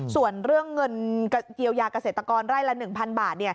ส่วนเรื่องเงินเยียวยาเกษตรกรไร่ละ๑๐๐บาท